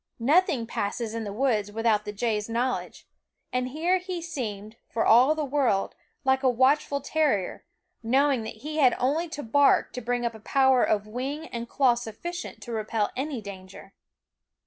Nothing passes in the woods without the jay's knowl edge ; and here he seemed, for all the world, like a watchful terrier, knowing that he had only to bark to bring a power of wing and claw sufficient to repel any danger.